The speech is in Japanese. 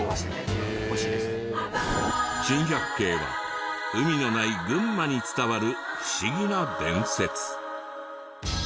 珍百景は海のない群馬に伝わる不思議な伝説。